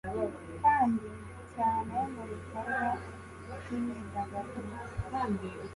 kandi cyane mubikorwa byimyidagaduro